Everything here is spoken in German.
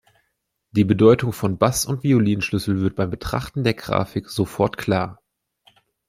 Die Bedeutung von Bass- und Violinschlüssel wird beim Betrachten der Grafik sofort klar.